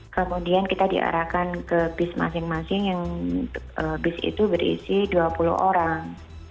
kemudian kita diarahkan ke bis masing masing yang bis itu berisi dua puluh orang